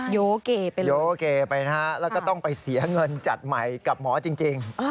โยเกไปเลยโยเกไปนะฮะแล้วก็ต้องไปเสียเงินจัดใหม่กับหมอจริง